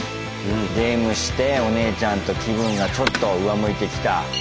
ゲームしてお姉ちゃんと気分がちょっと上向いてきた。